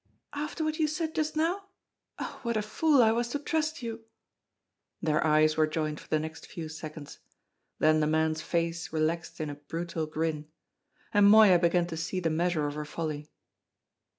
"After what you said just now? Oh, what a fool I was to trust you!" Their eyes were joined for the next few seconds; then the man's face relaxed in a brutal grin. And Moya began to see the measure of her folly.